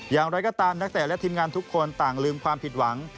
อย่างไรก็ตามนักเตะและทีมงานทุกคนต่างลืมความผิดหวัง